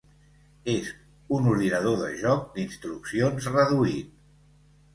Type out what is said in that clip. És un ordinador de joc d'instruccions reduït.